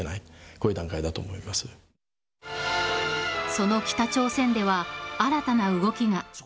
その北朝鮮では新たな動きが。